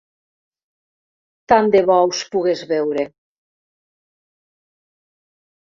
Tant de bo us pogués veure.